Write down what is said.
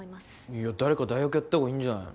いや誰か代役やったほうがいいんじゃないの？